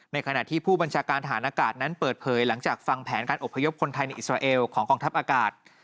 ขณะที่ผู้บัญชาการฐานอากาศนั้นเปิดเผยหลังจากฟังแผนการอบพยพคนไทยในอิสราเอลของกองทัพอากาศ